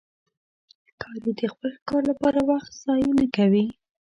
ښکاري د خپل ښکار لپاره وخت ضایع نه کوي.